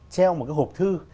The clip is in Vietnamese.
treo một cái hộp thư